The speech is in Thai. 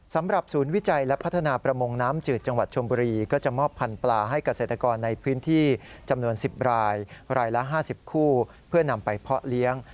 สำหรับศูนย์วิจัยและพัฒนาประมงน้ำจืดจังหวัดชมบุรีก็จะมอบพันธุปลาให้เกษตรกรในพื้นที่จำนวน๑๐รายรายละ๕๐คู่เพื่อนำไปเพาะเลี้ยง